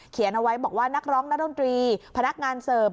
เอาไว้บอกว่านักร้องนักดนตรีพนักงานเสิร์ฟ